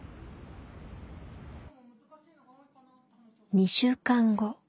２週間後。